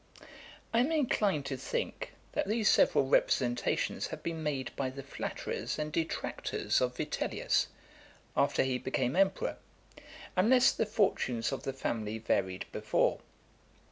I am inclined to think, that these several representations have been made by the flatterers and detractors of Vitellius, after he became emperor, unless the fortunes of the family varied before.